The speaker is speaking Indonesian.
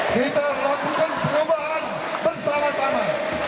kita melakukan perubahan bersama sama